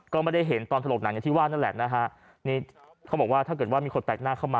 ก็ไม่ได้เห็นตอนถลกหนังอย่างที่ว่านั่นแหละนะฮะนี่เขาบอกว่าถ้าเกิดว่ามีคนแปลกหน้าเข้ามา